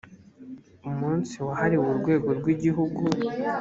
umunsi wahariwe urwego rw’igihugu